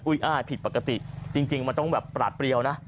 อ้ายผิดปกติจริงมันต้องแบบปราดเปรียวนะ